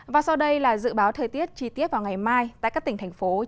và sau đây là dự báo thời tiết chi tiết vào ngày mai tại các tỉnh thành phố